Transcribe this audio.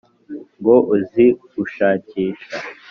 ngo uzi gushakisha